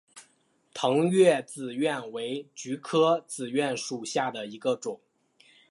腾越紫菀为菊科紫菀属下的一个种。